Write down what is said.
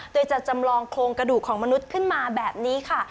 โดยจะจำลองโครงกระดูกของมนุษย์ขึ้นมาแบบนี้ค่ะ